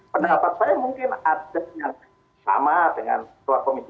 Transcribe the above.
pendapat saya mungkin ada yang sama dengan ketua komisi tiga